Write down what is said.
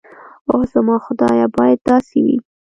اوح زما خدايه بايد داسې وي.